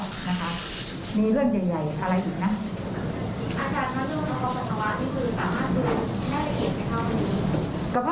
อาจารย์ท่านดูกภพปรสวะนี้คือสามารถดูได้ละเอียดของแบบนี้